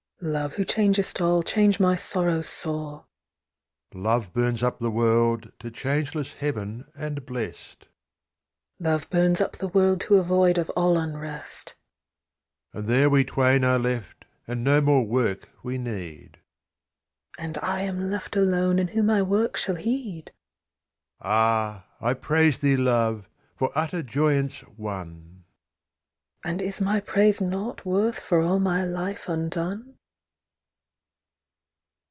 "Love, who changest all, change my sorrow sore!" Love burns up the world to changeless heaven and blest, "Love burns up the world to a void of all unrest." And there we twain are left, and no more work we need: "And I am left alone, and who my work shall heed?" Ah! I praise thee, Love, for utter joyance won! "And is my praise nought worth for all my life undone?"